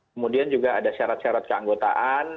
kemudian juga ada syarat syarat keanggotaan